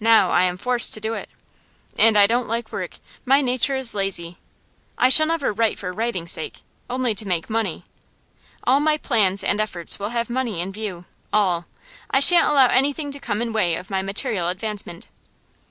Now I am forced to do it. And I don't like work; my nature is lazy. I shall never write for writing's sake, only to make money. All my plans and efforts will have money in view all. I shan't allow anything to come in the way of my material advancement.